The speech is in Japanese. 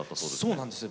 そうなんです。